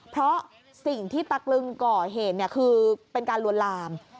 เพราะสิ่งที่ตะกลึงก่อเหตุคือเป็นการลวนลาม